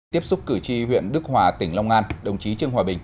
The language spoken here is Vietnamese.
tiếp xúc cử tri huyện đức hòa tỉnh long an đồng chí trương hòa bình